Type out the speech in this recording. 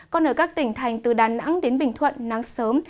còn ở các tỉnh thành từ đà nẵng đến bình thuận nắng sớm